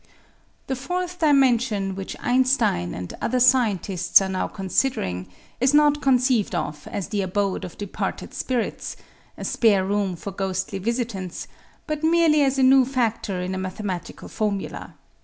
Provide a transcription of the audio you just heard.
The fourth dimension which Einstein and other scien SOME SIMPLE EXAMPLES 61 tists are now considering is not conceived of as the abode of departed spirits, a spare room for ghostly visi tants, but merely as a new factor in a mathematical formula.